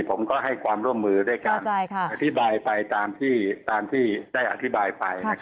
ผมก็ให้ความร่วมมือด้วยการอธิบายไปตามที่ได้อธิบายไป